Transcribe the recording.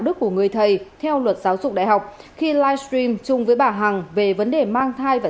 đức của người thầy theo luật giáo dục đại học khi livestream chung với bà hằng về vấn đề mang thai và